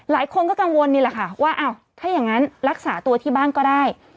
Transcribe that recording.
หลายคนก็กังวลนี่แหละค่ะว่าอ้าวถ้าอย่างนั้นรักษาตัวที่บ้านก็ได้